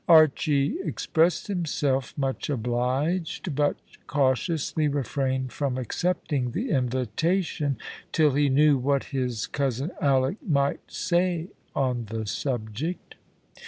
Archy expressed himself much obliged, but cautiously refrained from accepting the invitation till he knew what his cousin Alick might say on the subject.